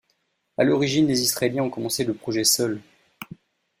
À l'origine, les Israéliens ont commencé le projet seuls.